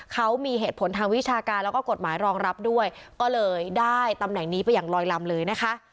เขามีเหตุผลทางวิชาการแล้วก็กฎหมายรองรับด้วยก็เลยได้ตำแหน่งนี้ไปอย่างลอยลำเลยนะคะ